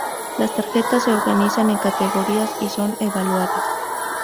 Las tarjetas se organizan en categorías y son evaluadas.